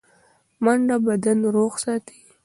منډه بدن روغ ساتي